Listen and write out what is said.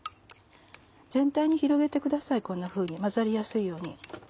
全体に広げてくださいこんなふうに混ざりやすいように。